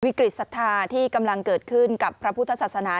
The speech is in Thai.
ศรัทธาที่กำลังเกิดขึ้นกับพระพุทธศาสนา